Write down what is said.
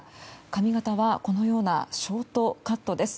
髪形はこのようなショートカットです。